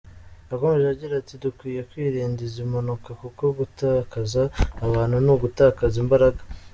Yakomeje agira ati “Dukwiye kwirinda izi mpanuka kuko gutakaza abantu ni ugutakaza imbaraga.